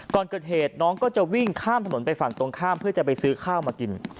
ก่อนเกิดเหตุน้องก็จะวิ่งข้ามถนนไปฝั่งตรงข้ามเพื่อจะไปซื้อข้าวมากิน